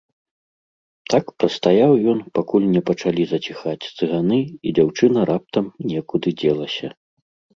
Так прастаяў ён, пакуль не пачалі заціхаць цыганы і дзяўчына раптам некуды дзелася.